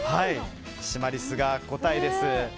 シマリスが答えです。